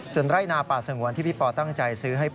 ส่วนไร่นาป่าสงวนที่พี่ปอตั้งใจซื้อให้